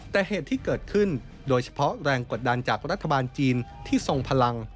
แต่เหตุที่เกิดขึ้นโดยเฉพาะแรงกดดันจากรัฐบาลจีนที่ทรงพลัง